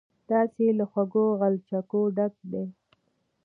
داسې له خوږو غلچکو ډکې دي.